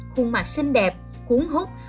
khuôn mặt xinh đẹp cuốn hút